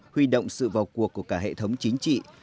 huy động sự vào cuộc của cả hệ thống chính trị